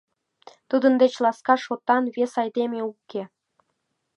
— Тудын деч ласка, шотан вес айдеме уке?